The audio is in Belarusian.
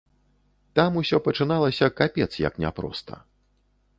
Там усё пачыналася капец як няпроста.